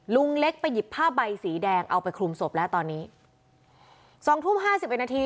ลุงเล็กไปหยิบผ้าใบสีแดงเอาไปคลุมศพแล้วตอนนี้สองทุ่มห้าสิบเอ็ดนาที